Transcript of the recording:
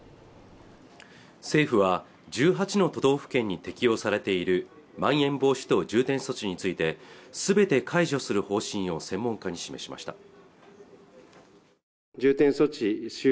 政府は１８の都道府県に適用されているまん延防止等重点措置についてすべて解除する方針を専門家に示しました